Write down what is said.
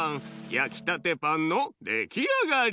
やきたてパンのできあがり！